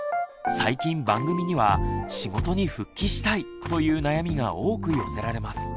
最近番組には「仕事に復帰したい！」という悩みが多く寄せられます。